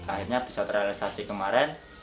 akhirnya bisa terrealisasi kemarin